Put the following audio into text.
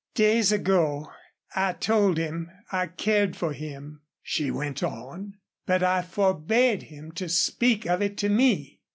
"Days ago I told him I cared for him," she went on. "But I forbade him to speak of it to me.